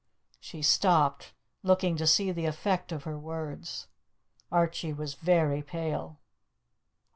She stopped, looking to see the effect of her words. Archie was very pale.